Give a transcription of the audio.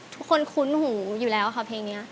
คุ้นหูอยู่แล้วค่ะเพลงนี้